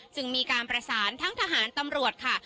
จึงมีการประสานทั้งทหารตำรวจค่ะ